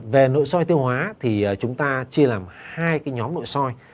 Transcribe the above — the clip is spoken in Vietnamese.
về nội soi tiêu hóa thì chúng ta chia làm hai cái nhóm nội soi